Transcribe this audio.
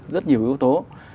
rất nhiều yếu tố